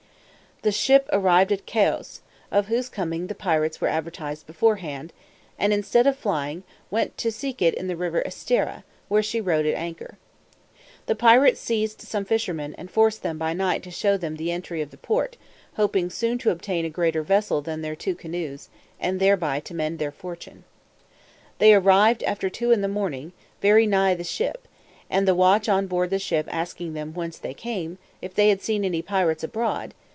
This ship arrived at Cayos, of whose coming the pirates were advertised beforehand, and instead of flying, went to seek it in the river Estera, where she rode at anchor. The pirates seized some fishermen, and forced them by night to show them the entry of the port, hoping soon to obtain a greater vessel than their two canoes, and thereby to mend their fortune. They arrived, after two in the morning, very nigh the ship; and the watch on board the ship asking them, whence they came, and if they had seen any pirates abroad?